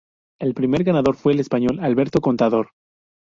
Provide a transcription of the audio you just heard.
El primer ganador fue el español Alberto Contador.